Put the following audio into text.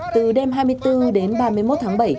từ đêm hai mươi bốn đến ba mươi một tháng bảy